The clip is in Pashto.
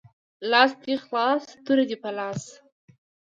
لاس دی خلاص توره دی په لاس